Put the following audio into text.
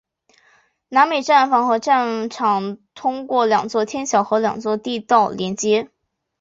南北站房和站场通过两座天桥和两座地道连接。